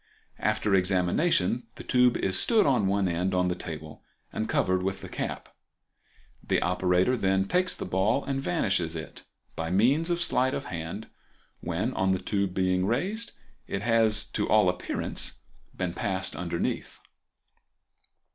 After examination the tube is stood on one end on the table and covered with the cap. The operator then takes the ball and vanishes it by means of sleight of hand, when, on the tube being raised, it has to all appearance been passed underneath.